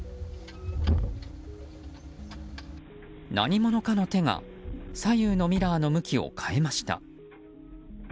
何者かの手が左右のミラーの向きを変えました。